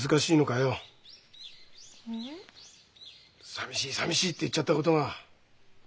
「さみしいさみしい」って言っちゃったことが。